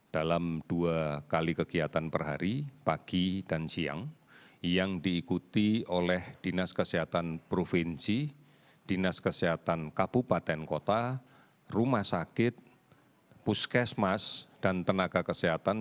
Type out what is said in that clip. dalam dua kali kegiatan per hari pagi dan siang yang diikuti oleh dinas kesehatan provinsi dinas kesehatan kabupaten kota rumah sakit puskesmas dan tenaga kesehatan